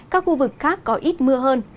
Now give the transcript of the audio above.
các khu vực khác có ít mưa hơn